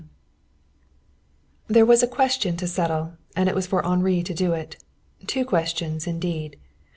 XVII There was a question to settle, and it was for Henri to do it. Two questions indeed.